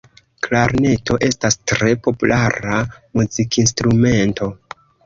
Klarneto estas tre populara muzikinstrumento.